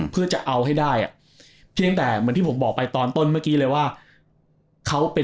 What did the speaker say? เพื่อจะเอาให้ได้อ่ะเพียงแต่เหมือนที่ผมบอกไปตอนต้นเมื่อกี้เลยว่าเขาเป็น